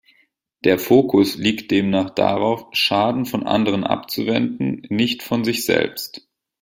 Der Fokus liegt demnach darauf, Schaden von anderen abzuwenden, nicht von sich selbst.